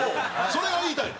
それが言いたいの。